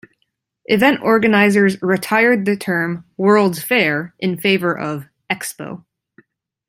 Event organizers retired the term "world's fair" in favor of "expo".